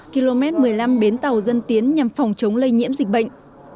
km một mươi năm bến tàu dân tiến nhằm phòng chống lây nhiễm dịch bệnh